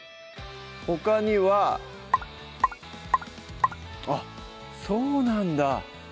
ほかにはあっそうなんだ